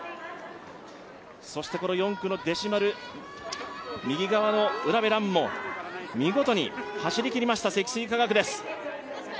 そしてこの４区の弟子丸、右側の卜部蘭も見事に走りきりました、積水化学です。